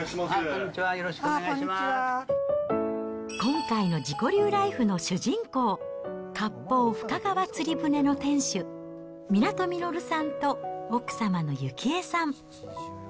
こんにちは、今回の自己流ライフの主人公、割烹深川つり舟の店主、湊実さんと奥様の由紀江さん。